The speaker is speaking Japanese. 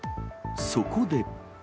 そこで。